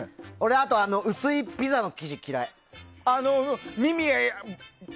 あと、薄いピザの生地嫌い。